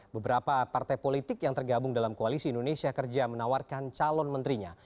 beberapa partai politik yang tergabung dalam koalisi indonesia kerja menawarkan calon menterinya